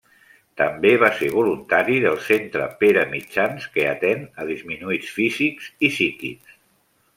També va ser voluntari del centre Pere Mitjans que atén a disminuïts físics i psíquics.